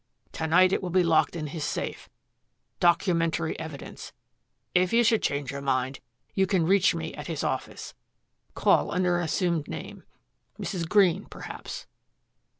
To night it will be locked in his safe documentary evidence. If you should change your mind you can reach me at his office. Call under an assumed name Mrs. Green, perhaps."